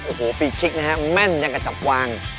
โอ้โหฟรีคลิกนะครับแม่นอย่างกับจับวาง